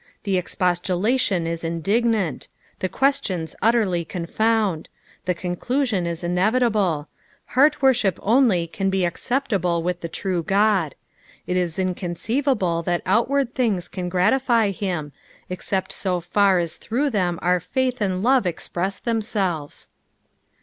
The expostu lation is indignant ; the questions utterly confound ; the conclusion is inevitable ; heart worship only can be acceptable with the true God. It is inconceivable that outward things can gratify him, except so far as through them our faith and love express themselves.